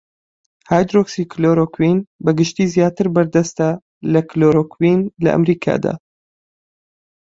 هایدرۆکسی کلۆرۆکوین بەگشتی زیاتر بەردەستە لە کلۆرۆکوین لە ئەمەریکادا.